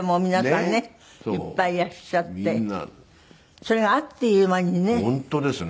それがあっという間にね。